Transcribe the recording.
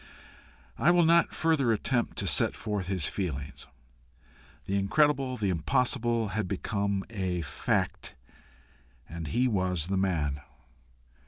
I will not further attempt to set forth his feelings. The incredible, the impossible, had become a fact AND HE WAS THE MAN.